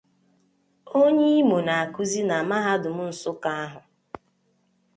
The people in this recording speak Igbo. onye Imo na-akụzi na mahadum Nsukka ahụ